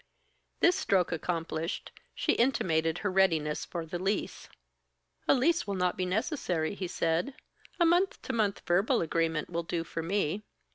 This stroke accomplished, she intimated her readiness for the lease. "A lease will not be necessary," he said. "A month to month verbal agreement will do for me."